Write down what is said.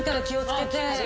気を付けて。